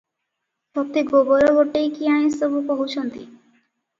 ତୋତେ ଗୋବରଗୋଟେଇ କିଆଁ ଏସବୁ କହୁଚନ୍ତ?